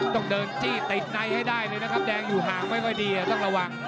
ต้องเดินจี้ติดในให้ได้เลยนะครับแดงอยู่ห่างไม่ค่อยดีต้องระวัง